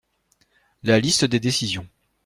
La liste des décisions.